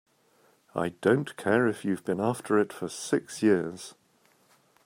I don't care if you've been after it for six years!